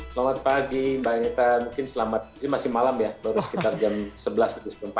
selamat pagi mbak anita mungkin selamat ini masih malam ya baru sekitar jam sebelas empat belas